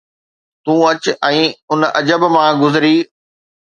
تون اچ ۽ ان عجب مان گذري